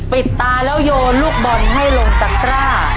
ปิดตาแล้วโยนลูกบอลให้ลงตะกร้า